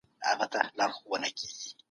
ستاسو عملونه د ارزښتونو انعکاس کوي.